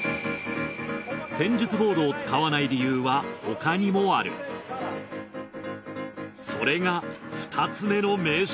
戦術ボードを使わない理由は他にもあるそれが２つ目の名将